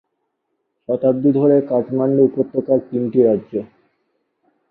শতাব্দী ধরে কাঠমান্ডু উপত্যকার তিনটি রাজ্য।